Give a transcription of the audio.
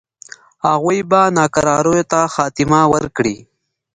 هغوی به ناکراریو ته خاتمه ورکړي.